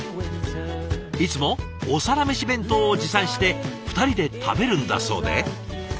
いつも「お皿メシ弁当」を持参して２人で食べるんだそうで。